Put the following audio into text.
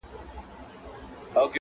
پر شب پرستو بدلګېږم ځکه,